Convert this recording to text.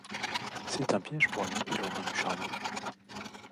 C’est un piège pour nous éloigner du chariot.